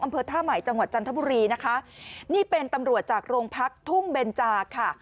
อำเภอท่าใหม่จังหวัดจันทบุรีนะคะนี่เป็นตำรวจจากโรงพักทุ่งเบนจาค่ะ